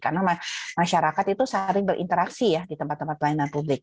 karena masyarakat itu saling berinteraksi ya di tempat tempat pelayanan publik